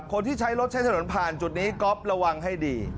คนที่ใช้รถใช้ถนนผ่านจุดนี้ก๊อฟระวังให้ดี